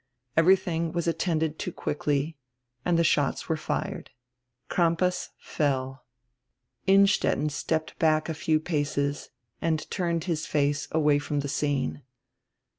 Everything was attended to quickly, and die shots were fired. Crampas fell. Innstetten stepped back a few paces and turned his face away from die scene.